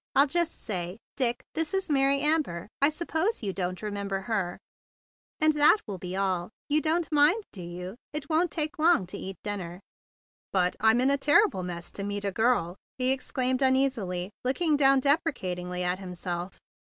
I'll just say, 'Dick, this is Mary Amber; I suppose you don't remember her,' and that'll be all. You don't mind, do you? It won't take long to eat dinner." "But I'm a terrible mess to meet a girl!" he exclaimed uneasily, looking down deprecatingly at himself.